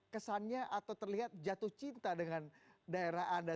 kesannya atau terlihat jatuh cinta dengan daerah anda